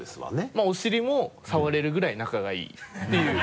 まぁお尻も触れるぐらい仲がいいっていう。